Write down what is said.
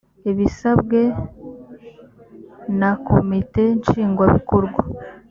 ibisabwe na komite nshingwabikorwa